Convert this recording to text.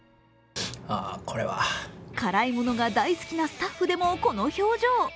辛いものが大好きなスタッフでも、この表情。